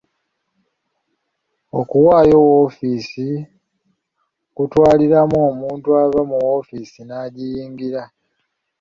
Okuwaayo woofiisi kutwaliramu omuntu ava mu woofiisi n'agiyingira.